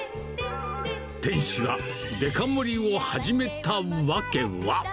店主がデカ盛りを始めた訳は。